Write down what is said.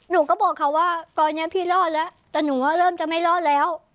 หนูก็บอกเขาว่าตอนนี้พี่รอดแล้วแต่หนูว่าเริ่มจะไม่รอดแล้ว